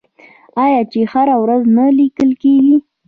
آیا چې هره ورځ نه لیکل کیږي؟